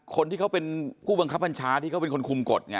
คนที่เขาเป็นผู้บังคับบัญชาที่เขาเป็นคนคุมกฎไง